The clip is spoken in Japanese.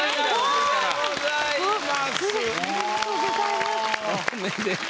ありがとうございます。